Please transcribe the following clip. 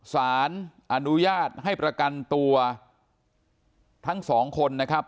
สารอนุญาตให้ประกันตัวทั้งสองคนนะครับ